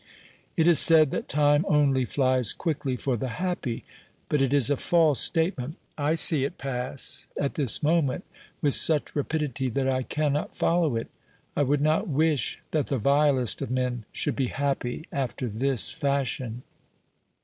It is said that time only flies quickly for the happy, but it is a false statement. I see it pass at this moment with such rapidity that I cannot follow it. I would not wish that the vilest of men should be happy after this fashion